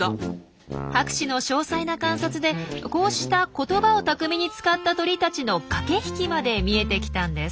博士の詳細な観察でこうした言葉を巧みに使った鳥たちの駆け引きまで見えてきたんです。